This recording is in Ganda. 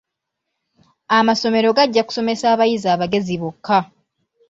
Amasomero gajja kusomesa abayizi abagezi bokka.